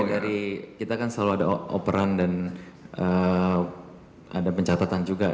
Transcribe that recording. dari kita kan selalu ada operan dan ada pencatatan juga